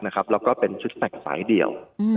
และเป็นชุดแฟกสายเดี่ยว